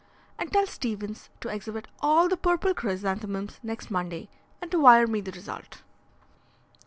And tell Stevens to exhibit all the purple chrysanthemums next Monday and to wire me the result."